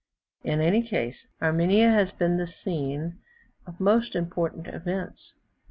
In any case, Armenia has been the scene of most important events.